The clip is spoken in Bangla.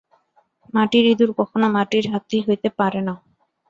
মাটির ইঁদুর কখনও মাটির হাতি হইতে পারে না।